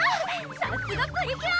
さすがプリキュア！